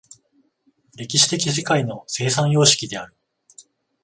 歴史的世界の生産様式である。